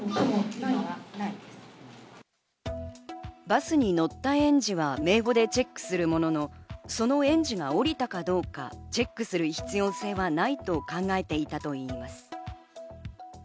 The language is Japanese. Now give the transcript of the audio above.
バスに乗った園児は名簿でチェックするものの、その園児が降りたかどうかチェックする必要性はないと考えていたといいます。